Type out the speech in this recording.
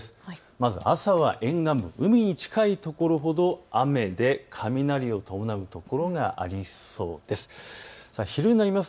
まず朝は沿岸部、海に近いところほど雨で雷を伴う所がありそうです。